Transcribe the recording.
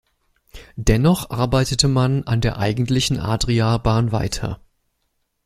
Dennoch arbeitete man an der eigentlichen Adria-Bahn weiter.